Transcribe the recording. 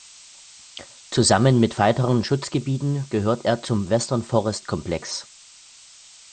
Zusammen mit weiteren Schutzgebieten gehört er zum Western Forest Complex.